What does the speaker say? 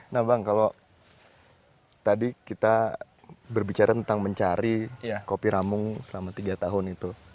nah bang kalau tadi kita berbicara tentang mencari kopi ramung selama tiga tahun itu